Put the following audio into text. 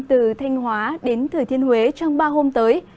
từ thanh hóa đến thừa thiên huế trong ba hôm tới